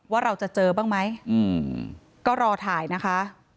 ว่าเราจะเจอบ้างไหมก็รอถ่ายนะคะ